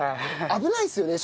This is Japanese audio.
危ないですよね？